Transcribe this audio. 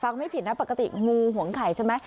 ไม่ผิดนะปกติงูห่วงไข่ใช่ไหม